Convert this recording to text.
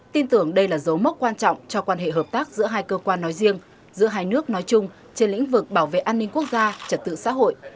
tin tưởng đây là dấu mốc quan trọng cho quan hệ hợp tác giữa hai cơ quan nói riêng giữa hai nước nói chung trên lĩnh vực bảo vệ an ninh quốc gia trật tự xã hội